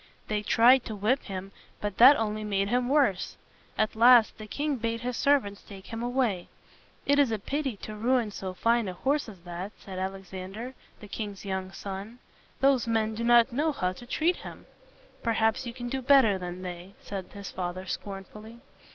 They tried to whip him, but that only made him worse. At last the king bade his servants take him away. "It is a pity to ruin so fine a horse as that," said Al ex an´der, the king's young son. "Those men do not know how to treat him." "Perhaps you can do better than they," said his father scorn ful ly.